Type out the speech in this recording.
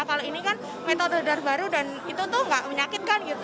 kalau ini kan metode baru dan itu tuh gak menyakitkan gitu